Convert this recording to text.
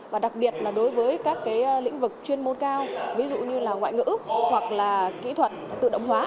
và đặc biệt là đối với các cái lĩnh vực chuyên môn cao ví dụ như là ngoại ngữ hoặc là kỹ thuật tự động hóa